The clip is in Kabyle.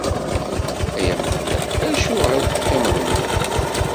Ay Ameɣlal, acuɣer i d-teqqimeḍ mebɛid?